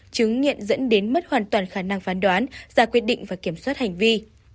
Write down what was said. chứng nhận dẫn đến mất hoàn toàn khả năng phán đoán ra quyết định và kiểm soát hành vi